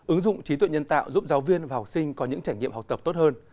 ứng dụng trí tuệ nhân tạo giúp giáo viên và học sinh có những trải nghiệm học tập tốt hơn